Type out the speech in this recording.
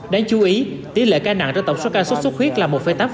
đáng chú ý tỷ lệ ca nặng cho tổng số ca sốt xuất huyết là một tám